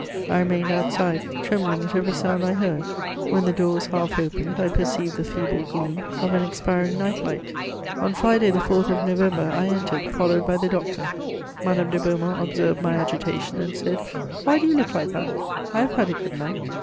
I remained outside, trembling at every sound I heard: when the door was half opened, I perceived the feeble gleam of an expiring night light. [Sidenote: The last scene.] On Friday the 4th of November, I entered, followed by the doctor. Madame de Beaumont observed my agitation, and said: "Why do you look like that? I have had a good night."